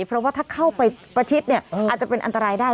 เพราะว่าถ้าเข้าไปประชิดเนี่ยอาจจะเป็นอันตรายได้